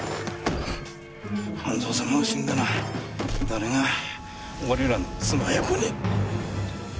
半蔵様が死んだら誰が俺らの妻や子に。